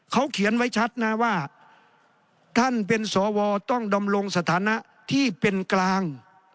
เขาเขียนเฉียบในไคข์นี้ว่าท่านเป็นสววต้องดำรงสถานะที่เป็นกลาง